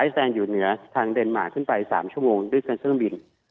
แซงอยู่เหนือทางเดนมาร์ขึ้นไป๓ชั่วโมงด้วยกันเครื่องบิน